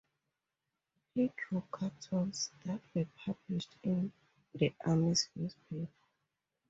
He drew cartoons that were published in the Army's newspaper.